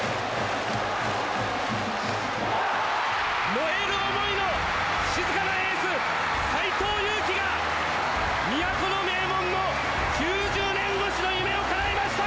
燃える思いの静かなエース斎藤佑樹が都の名門の９０年越しの夢をかなえました！